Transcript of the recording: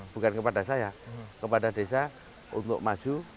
bukan kepada saya kepada desa untuk maju